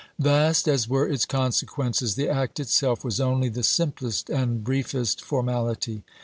Vast as were its consequences, the act itself was only the simplest and briefest formality.